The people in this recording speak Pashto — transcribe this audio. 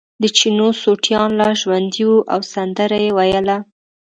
د چینو سوټیان لا ژوندي وو او سندره یې ویله.